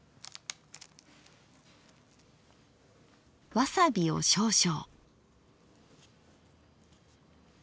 わさびを少々。